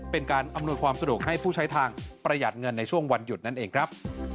เป็นการอำนวยความสะดวกให้ผู้ใช้ทางประหยัดเงินในช่วงวันหยุดนั่นเองครับ